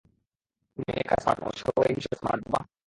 তুমি একা স্মার্ট নও, সেও এই বিষয়ে স্মার্ট বাবা!